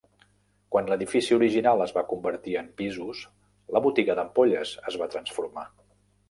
Quan l'edifici original es va convertir en pisos, la botiga d'ampolles es va transformar.